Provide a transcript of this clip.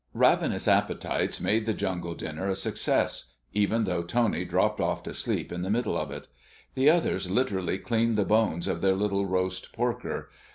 Ravenous appetites made the jungle dinner a success, even though Tony dropped off to sleep in the middle of it. The others literally cleaned the bones of their little roast porker.